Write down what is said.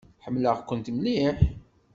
Ḥemmleɣ-kent mliḥ.